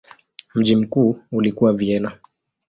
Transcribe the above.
Mji mkuu ulikuwa Vienna.